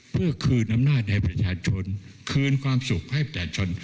เพื่อคืนอำนาจให้ประชาชนคืนความสุขให้ประชาชน